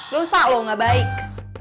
loh usah lo gak baik